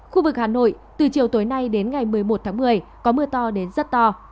khu vực hà nội từ chiều tối nay đến ngày một mươi một tháng một mươi có mưa to đến rất to